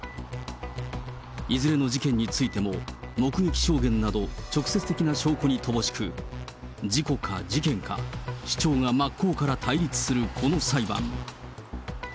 いずれの事件についても、目撃証言など直接的証拠に乏しく、事故か事件か、主張が真っ向から対立するこの裁判。